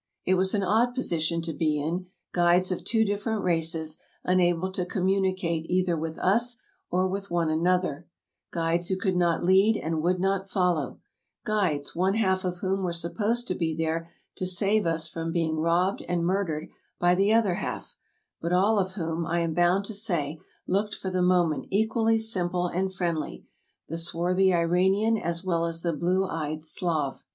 It was an odd position to be in : guides of two different races, unable to communicate either with us or with one an other; guides who could not lead and would not follow; guides one half of whom were supposed to be there to save us from being robbed and murdered by the other half, but all of whom, I am bound to say, looked for the moment equally simple and friendly, the swarthy Iranian as well as the blue eyed Slav.